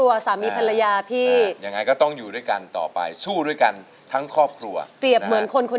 ว่าขาดฉันสักคน